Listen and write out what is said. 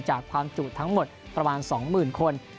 จากความจุทั้งหมดประมาณ๒๐๐๐คน